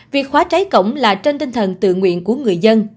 việc khóa cháy cổng là trên tinh thần tự nguyện của người dân